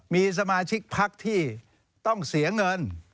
มีสมาชิกพักที่ต้องเสียเงิน